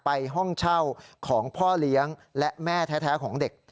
ห้องเช่าของพ่อเลี้ยงและแม่แท้ของเด็ก